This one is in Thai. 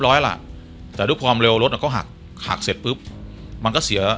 ร้อยละแต่ดูความเร็วรถถ้าเขาหักหักเสร็จปุ๊บมันก็เสีย